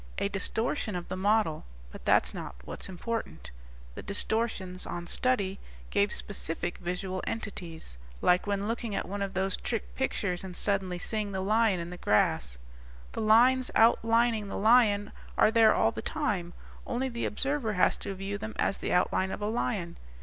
"A distortion of the model. But that's not what's important. The distortions, on study, gave specific visual entities. Like when looking at one of those trick pictures and suddenly seeing the lion in the grass. The lines outlining the lion are there all the time, only the observer has to view them as the outline of a lion.